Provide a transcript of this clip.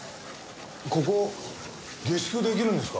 ここ下宿出来るんですか？